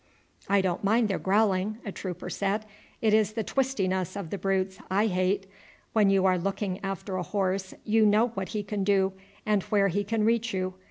"I don't mind their growling," a trooper said; "it is the twistiness of the brutes I hate. When you are looking after a horse you know what he can do and where he can reach you.